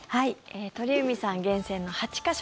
鳥海さん厳選の８か所。